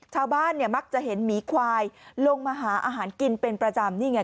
ชาวบ้านเนี่ยมักจะเห็นหมีควายลงมาหาอาหารกินเป็นประจำนี่ไง